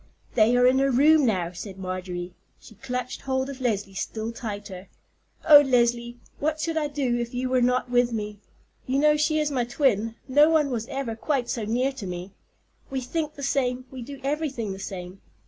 "They are in her room now," said Marjorie. She clutched hold of Leslie still tighter. "Oh, Leslie, what should I do if you were not with me? You know she is my twin; no one was ever quite so near to me. We think the same, we do everything the same.